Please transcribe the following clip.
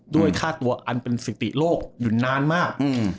ด้วยค่าตัวอันเป็นสิติโลกอยู่นานมาก